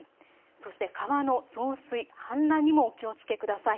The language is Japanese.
そして川の増水、氾濫にもお気をつけください。